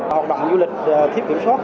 học động du lịch thiết kiểm soát